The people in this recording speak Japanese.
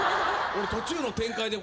俺途中の展開で。